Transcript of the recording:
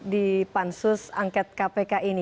di pansus angket kpk ini